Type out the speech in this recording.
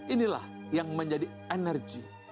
inilah yang menjadi energi